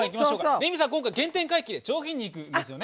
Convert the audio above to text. レミさん、今回、原点回帰で上品にいくんですよね。